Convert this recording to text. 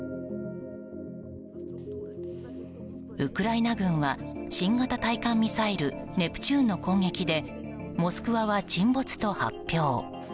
ウクライナ軍は新型対艦ミサイルネプチューンの攻撃で「モスクワ」は沈没と発表。